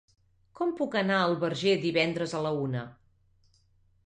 Com puc anar al Verger divendres a la una?